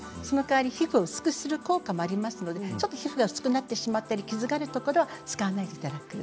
皮膚を薄くする効果がありますので皮膚が薄くなってしまったり傷があるところには使わないでください。